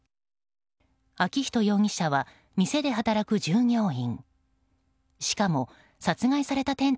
昭仁容疑者は店で働く従業員。